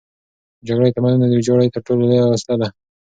جګړه د تمدنونو د ویجاړۍ تر ټولو لویه وسیله ده.